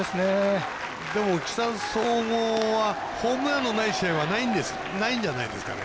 でも、木更津総合はホームランのない試合はないんじゃないですかね。